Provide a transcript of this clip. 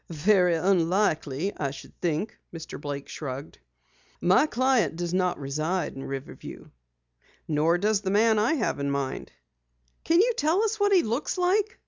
"Very unlikely, I think," Mr. Blake shrugged. "My client does not reside in Riverview." "Nor does the man I have in mind." "Can you tell us what he looks like?"